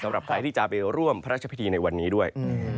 สำหรับใครที่จะไปร่วมพระราชพิธีในวันนี้ด้วย